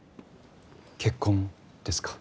結婚ですか？